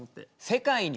世界に？